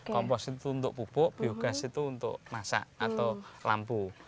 kompos itu untuk pupuk biogas itu untuk masak atau lampu